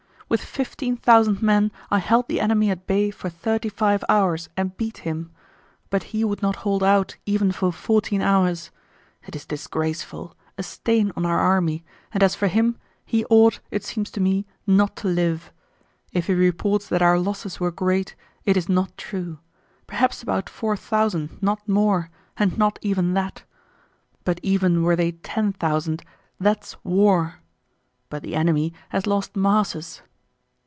With fifteen thousand men I held the enemy at bay for thirty five hours and beat him; but he would not hold out even for fourteen hours. It is disgraceful, a stain on our army, and as for him, he ought, it seems to me, not to live. If he reports that our losses were great, it is not true; perhaps about four thousand, not more, and not even that; but even were they ten thousand, that's war! But the enemy has lost masses....